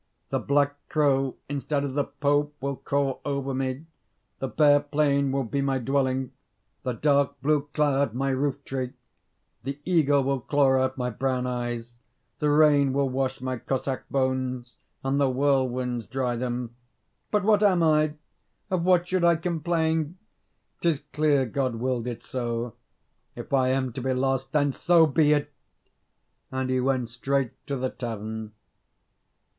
The black crow instead of the pope will caw over me; the bare plain will be my dwelling; the dark blue cloud my roof tree. The eagle will claw out my brown eyes: the rain will wash my Cossack bones, and the whirlwinds dry them. But what am I? Of what should I complain? 'Tis clear God willed it so. If I am to be lost, then so be it!" and he went straight to the tavern.